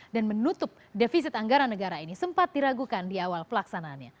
dan menutup defisit anggaran negara ini sempat diragukan di awal pelaksanaannya